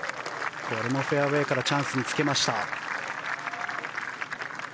これもフェアウェーからチャンスにつけました。